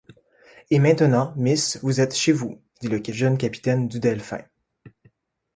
Et maintenant, miss, vous êtes chez vous », dit le jeune capitaine du Delphin.